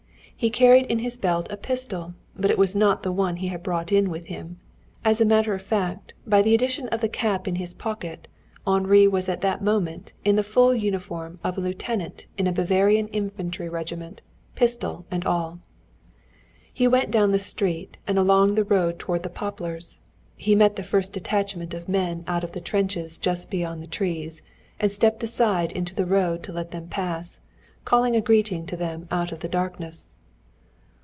He carried in his belt a pistol, but it was not the one he had brought in with him. As a matter of fact, by the addition of the cap in his pocket, Henri was at that moment in the full uniform of a lieutenant of a Bavarian infantry regiment, pistol and all. He went down the street and along the road toward the poplars. He met the first detachment of men out of the trenches just beyond the trees, and stepped aside into the mud to let them pass, calling a greeting to them out of the darkness.